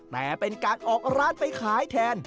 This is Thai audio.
แต่เป็นการออกร้านไปขายแทน